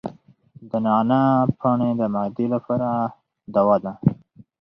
د نعناع پاڼې د معدې لپاره دوا ده.